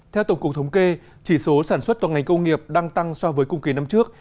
theo tổng cục thống kê chỉ số sản xuất toàn ngành công nghiệp đang tăng so với cùng kỳ năm trước